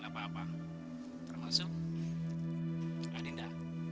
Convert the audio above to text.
saya bertemu adinda